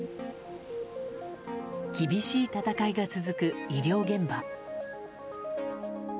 厳しい闘いが続く医療現場。